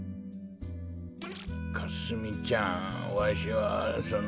かすみちゃんわしはその。